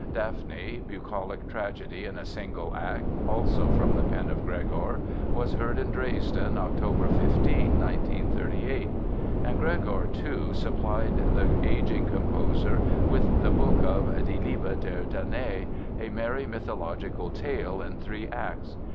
Daphne, bucolic tragedy in a single act, also from the pen of Gregor, was heard in Dresden, October 15, 1938. And Gregor, too, supplied the aging composer, with the book of Die Liebe der Danae, a "merry mythological tale" in three acts.